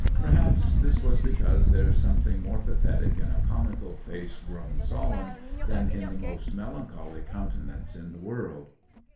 Perhaps this was because there is something more pathetic in a comical face grown solemn than in the most melancholy countenance in the world.